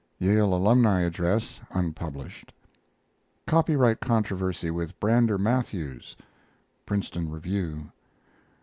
Yale Alumni address (unpublished). Copyright controversy with Brander Matthews Princeton Review.